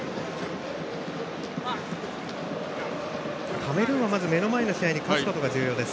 カメルーンは目の前の試合に勝つことが重要です。